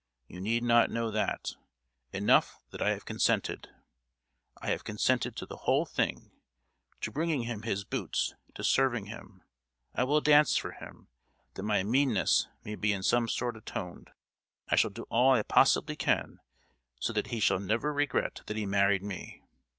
You need not know that; enough that I have consented. I have consented to the whole thing—to bringing him his boots, to serving him; I will dance for him, that my meanness may be in some sort atoned. I shall do all I possibly can so that he shall never regret that he married me!